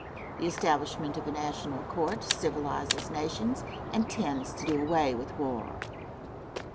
The establishment of a national court civilizes nations, and tends to do away with war.